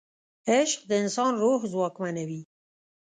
عشق د انسان روح ځواکمنوي.